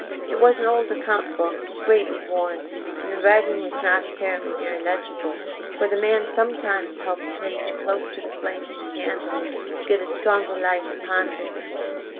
It was an old account book, greatly worn; and the writing was not, apparently, very legible, for the man sometimes held the page close to the flame of the candle to get a stronger light upon it.